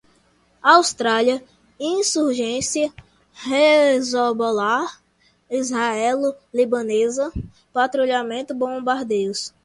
Austrália, insurgência, Hezbollah, israelo-libanesa, patrulhamento, bombardeios